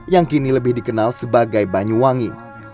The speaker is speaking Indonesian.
yang kini lebih dikenal sebagai banyuwangi